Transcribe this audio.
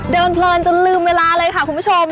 เพลินจนลืมเวลาเลยค่ะคุณผู้ชม